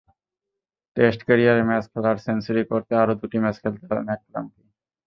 Test ক্যারিয়ারের match খেলার century করতে আরও দুটি ম্যাচ খেলতে হবে ম্যাককালামকে।